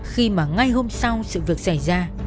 khi mà ngay hôm sau sự việc xảy ra